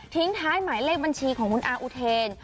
ท้ายหมายเลขบัญชีของคุณอาอุเทน